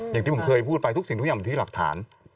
อย่างที่ผมเคยพูดไปทุกสิ่งทุกอย่างอยู่ที่หลักฐาน